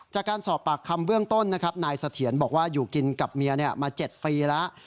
จากการสอบปากคำเบื้องต้นนะครับนายเสถียรบอกว่าอยู่กินกับเมียมา๗ปีแล้ว